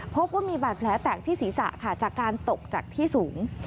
พบว่ามีบาดแผลแตกที่ศีรษะค่ะจากการตกจากที่สูง